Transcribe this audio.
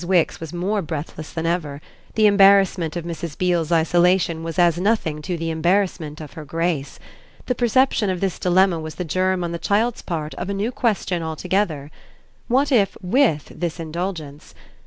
Wix was more breathless than ever; the embarrassment of Mrs. Beale's isolation was as nothing to the embarrassment of her grace. The perception of this dilemma was the germ on the child's part of a new question altogether. What if WITH this indulgence